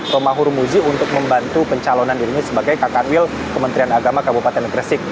romahur muzi untuk membantu pencalonan dirinya sebagai kakan wil kementerian agama kabupaten gresik